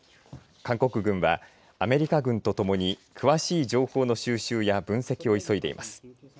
韓国軍はアメリカ軍とともに詳しい情報の収集や分析を急いでいます。